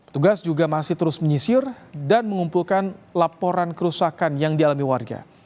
tugas juga masih terus menyisir dan mengumpulkan laporan kerusakan yang dialami warga